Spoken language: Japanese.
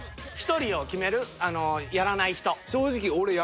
１人を決める？やらない人。